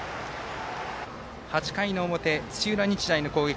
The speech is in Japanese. ８回の表、土浦日大の攻撃。